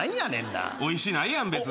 おいしないやん別に。